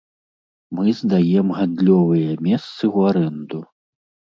Мы здаем гандлёвыя месцы ў арэнду.